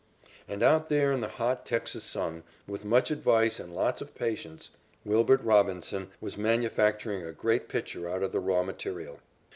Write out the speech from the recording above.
And out there in the hot Texas sun, with much advice and lots of patience, Wilbert Robinson was manufacturing a great pitcher out of the raw material.